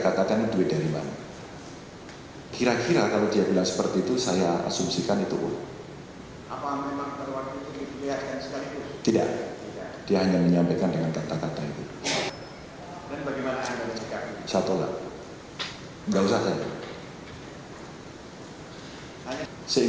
kalau barangkali saja ada teman dari a rekan rekan yang berada di beliau lain